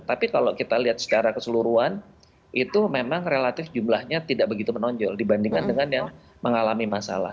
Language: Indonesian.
tapi kalau kita lihat secara keseluruhan itu memang relatif jumlahnya tidak begitu menonjol dibandingkan dengan yang mengalami masalah